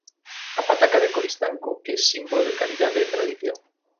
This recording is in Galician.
A pataca de Coristanco é símbolo de calidade e tradición.